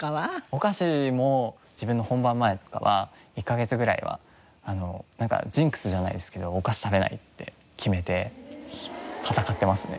お菓子も自分の本番前とかは１カ月ぐらいはジンクスじゃないですけどお菓子食べないって決めて戦ってますね。